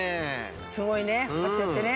すごいねこうやってやってね。